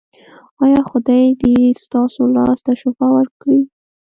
ایا خدای دې ستاسو لاس ته شفا ورکړي؟